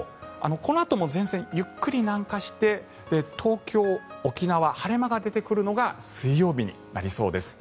このあとも前線ゆっくり南下して東京、沖縄晴れ間が出てくるのが水曜日になりそうです。